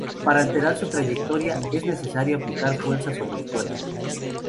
Para alterar su trayectoria, es necesario aplicar fuerza sobre el cuerpo.